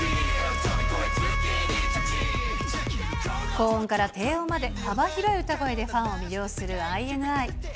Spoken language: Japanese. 高音から低音まで、幅広い歌声でファンを魅了するＩＮＩ。